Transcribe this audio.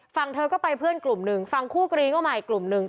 เธอก็ไปเพื่อนกลุ่มหนึ่งฝั่งคู่กรณีก็มาอีกกลุ่มหนึ่ง